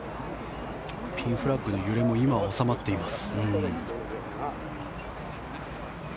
ピンフラッグの揺れも今は収まっています。